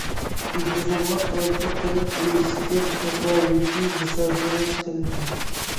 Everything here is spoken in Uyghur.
ئىنتىزامغا خىلاپلىق قىلىپ ئېرىشكەن تاپاۋىتى مۇسادىرە قىلىندى.